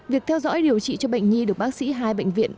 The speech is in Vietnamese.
việc theo dõi điều trị cho bệnh nhi được bác sĩ hai bệnh viện